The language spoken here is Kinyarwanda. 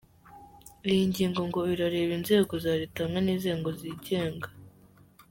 Iyi ngingo ngo irareba inzego za Leta hamwe n’inzego zigenga.